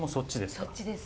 そっちです。